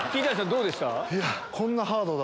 どうでした？